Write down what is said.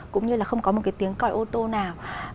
cũng như là không có một cái tiếng còi ô tô nào